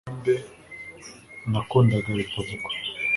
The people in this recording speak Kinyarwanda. nyiribambe bambe nakundaga bitavugwa